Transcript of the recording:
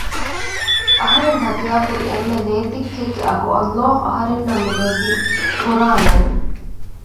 އަހަރެން ހަދިޔާކުރި އެންމެ ލޭތިއްކެއްގެ އަގު ﷲ އަހަރެންނަށް މިދެއްވީ ފުރާނައިން